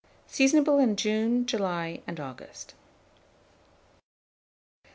Seasonable in June, July, and August.